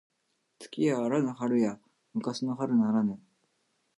月やあらぬ春や昔の春ならぬ